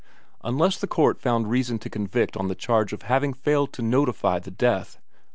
Unless the court found reason to convict on the charge of having failed to notify the death.